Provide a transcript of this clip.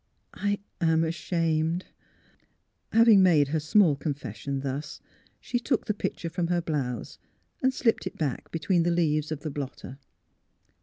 " I am ashamed." Having made her small confession, thus, she took the picture from her blouse and slipped it back between the leaves of the blotter.